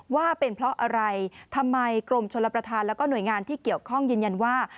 ว่าเป็นเพราะอะไรทำไมกรมชลประธานแล้วก็หน่วยงานที่เกี่ยวข้องยืนยันว่า